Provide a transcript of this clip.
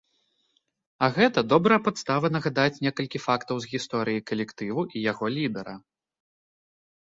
А гэта добрая падстава нагадаць некалькі фактаў з гісторыі калектыву і яго лідара.